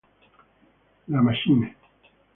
La Machine